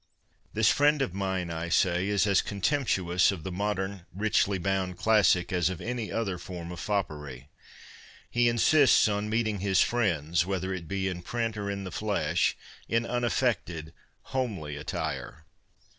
This friend of mine, I say, is as contemp tuous of the modern, richly bound classic as of any other form of foppery. He insists on meeting his friends, whether it be in print or in the flesh, in unaffected, homely attire.